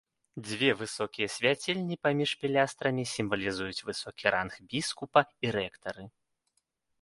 Две высокія свяцільні паміж пілястрамі сімвалізуюць высокі ранг біскупа і рэктары.